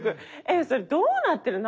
えっそれどうなってる？